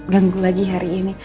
ganggu lagi hari ini